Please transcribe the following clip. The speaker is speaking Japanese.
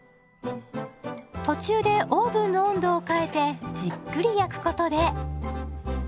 途中でオーブンの温度を変えてじっくり焼くことで。